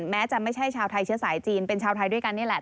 แม้จะไม่ใช่ชาวไทยเชื้อสายจีนเป็นชาวไทยด้วยกันนี่แหละ